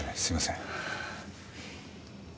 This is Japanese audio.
すいません。